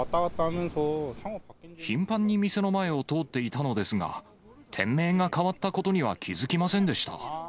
頻繁に店の前を通っていたのですが、店名が変わったことには気付きませんでした。